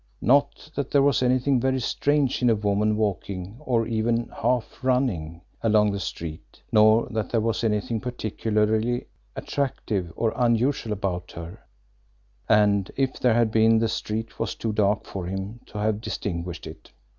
Not that there was anything very strange in a woman walking, or even half running, along the street; nor that there was anything particularly attractive or unusual about her, and if there had been the street was too dark for him to have distinguished it.